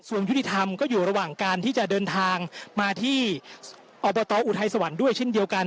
ส่วนยุติธรรมก็อยู่ระหว่างการที่จะเดินทางมาที่อบตอุทัยสวรรค์ด้วยเช่นเดียวกัน